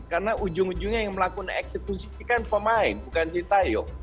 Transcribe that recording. karena ujung ujungnya yang melakukan eksekusi kan pemain bukan sintayong